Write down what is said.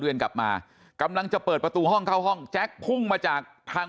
กลับมากำลังจะเปิดประตูห้องเข้าห้องแจ๊คพุ่งมาจากทาง